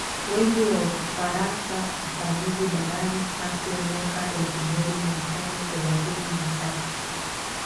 wengi wa UfaransaUpanuzi barani Asia mwaka elfu moja mia tano thelathini na tatu